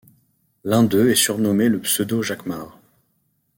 L'un d'eux est surnommé le Pseudo-Jacquemart.